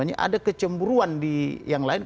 ada kecemburuan di yang lain